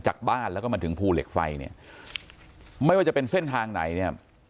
จากบ้านแล้วก็มาถึงภูเหล็กไฟเนี่ยไม่ว่าจะเป็นเส้นทางไหนเนี่ย